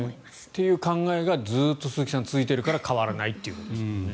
という考えがずっと続いているから変わらないということですよね。